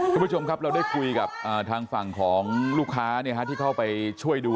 คุณผู้ชมครับเราได้คุยกับทางฝั่งของลูกค้าที่เข้าไปช่วยดู